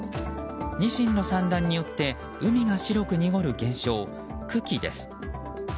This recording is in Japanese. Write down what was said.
ニシンの産卵によって海が白く濁る現象、群来です。